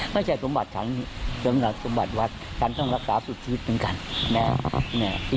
ก็ใช่สมบัติแห่งสมบัติวัตต์ซันต้องรักษาสุทธิธไว้เหมือนกันเนี่ย